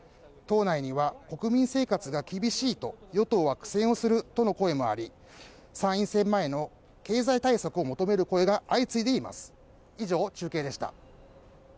党内には、国民生活が厳しいと与党は苦戦をするとの声もあり、参院選前の経済対策を求める声が相次いでいます。